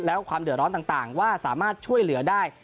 และความเดือดร้อนต่างว่าสามารถช่วยเหลือได้